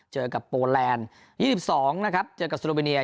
เจอกับโปแลนยี่สิบสองนะครับเจอกับสโลเมเนีย